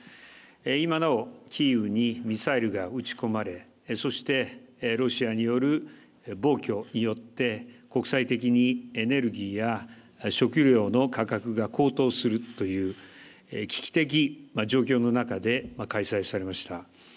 今なおキーウにミサイルが撃ち込まれ、そして、ロシアによる暴挙によって国際的にエネルギーや食料の価格が高騰するという危機的状況の中で開催されました。